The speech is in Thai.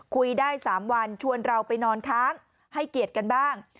คุยได้๓วันชวนเราไปนอนค้างให้เกียรติกันบ้าง